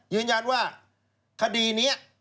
ยืนยันว่าคดีนี้